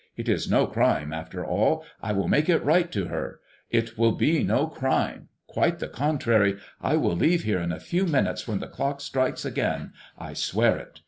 It is no crime, after all. I will make it right to her, it will be no crime. Quite the contrary. I will leave here in a few moments, when the clock strikes again, I swear it.